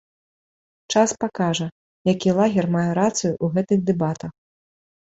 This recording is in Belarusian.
Час пакажа, які лагер мае рацыю ў гэтых дэбатах.